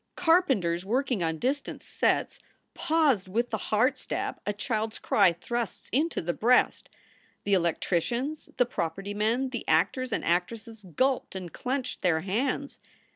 Carpenters working on distant sets paused with the heart stab a child s cry thrusts into the breast. The electricians, the property men, the actors and actresses, gulped and clenched their hands.